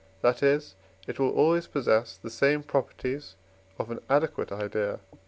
that is, it will always possess the same properties of an adequate idea (II.